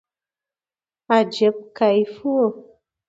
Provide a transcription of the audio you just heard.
عجيب کيف وو.